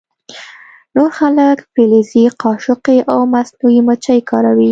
نور خلک فلزي قاشقې او مصنوعي مچۍ کاروي